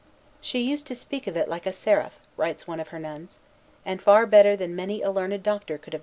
"She used to speak of it like a seraph," writes one of her nuns, "and far better than many a learned doctor could have done."